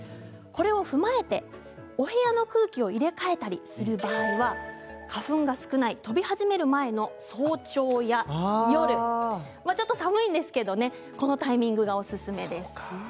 これを踏まえてお部屋の空気を入れ替えたりする場合は花粉が少ない飛び始める前の早朝や夜、ちょっと寒いんですけれどもこのタイミングがおすすめです。